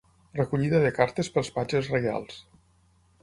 Recollida de cartes pels patges reials.